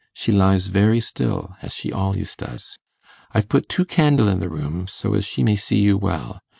She lies very still, as she al'ys does. I've put two candle i' the room, so as she may see you well.